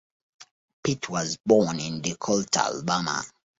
Pitt was born in Decatur, Alabama.